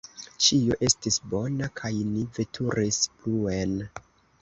Ĉio estis bona, kaj ni veturis pluen.